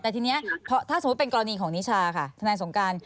แต่ทีนี้ถ้าสมมุติเป็นกรณีของนิชาค่ะทนายสงการ